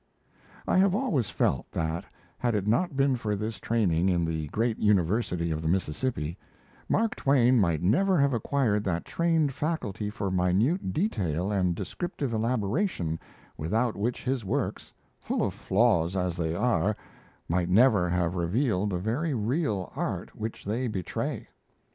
I have always felt that, had it not been for this training in the great university of the Mississippi, Mark Twain might never have acquired that trained faculty for minute detail and descriptive elaboration without which his works, full of flaws as they are, might never have revealed the very real art which they betray.